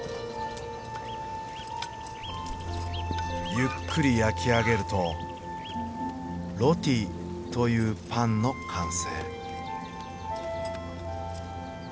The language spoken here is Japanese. ゆっくり焼き上げるとロティというパンの完成。